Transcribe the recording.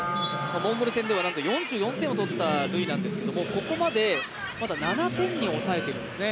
モンゴル戦では４４点をとったルイなんですがここまでまだ７点に抑えているんですね。